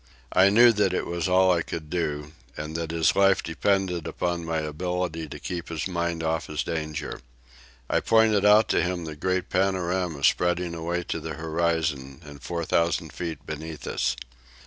I knew that it was all I could do, and that his life depended upon my ability to keep his mind off his danger. I pointed out to him the great panorama spreading away to the horizon and four thousand feet beneath us.